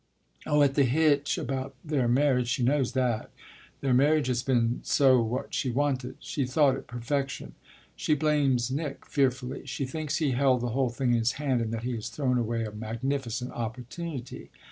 "Oh at the hitch about their marriage she knows that. Their marriage has been so what she wanted. She thought it perfection. She blames Nick fearfully. She thinks he held the whole thing in his hand and that he has thrown away a magnificent opportunity."